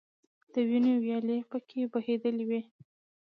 د وینو ویالې په کې بهیدلي دي.